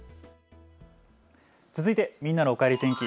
続いてみんなのおかえり天気。